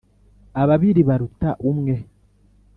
Ababiri baruta umwe.